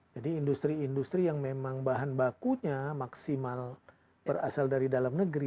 jadi industri industri yang memang bahan bakunya maksimal berasal dari dalam negeri